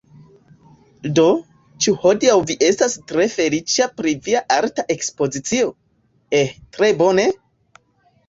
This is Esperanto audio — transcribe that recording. Do, ĉu hodiaŭ vi estas tre feliĉa pri via arta ekspozicio? eh... tre bone?